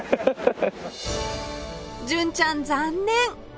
純ちゃん残念！